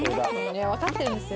わかってるんですよ。